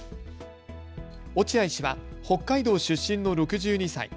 落合氏は北海道出身の６２歳。